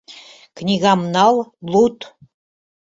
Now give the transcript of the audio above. — Книгам нал, луд.